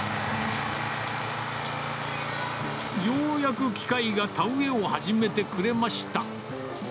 ようやく機械が田植えを始めてくれました。